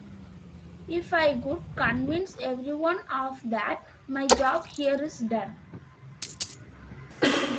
If I could convince everyone of that, my job here is done.